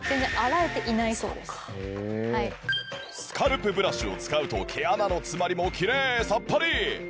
スカルプブラシを使うと毛穴の詰まりもきれいさっぱり